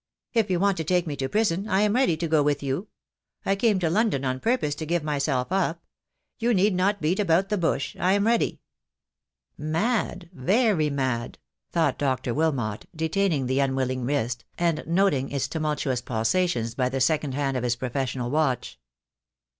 If you want to take me to prison I am ready to go with you. I came to London on purpose to give myself up. You need not beat about the bush. I am ready." THE DAY WILL COME. 26 I "Mad, very mad," thought Dr. Wilmot, detaining the unwilling wrist, and noting its tumultuous pulsations by the second hand of his professional watch.